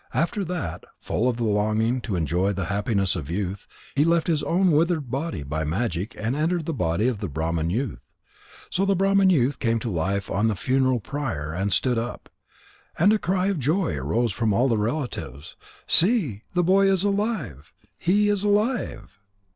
After that, full of the longing to enjoy the happiness of youth, he left his own withered body by magic and entered the body of the Brahman youth. So the Brahman youth came to life on the funeral pyre and stood up. And a cry of joy arose from all the relatives: "See! The boy is alive! He is alive!"